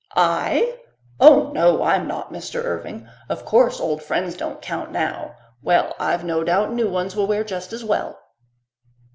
"I? Oh, no, I'm not, Mr. Irving. Of course old friends don't count now. Well, I've no doubt new ones will wear just as well."